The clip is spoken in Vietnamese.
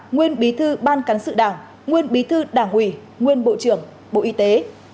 nguyên bí thư ban cán sự đảng nguyên bí thư đảng ủy nguyên bộ trưởng bộ y tế